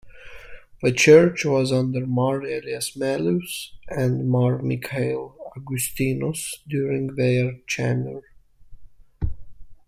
The church was under Mar Elias Mellus and Mar Mikhail Agustinos during their tenure.